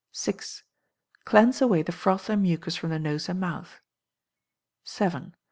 vi. Cleanse away the froth and mucus from the nose and mouth. vii.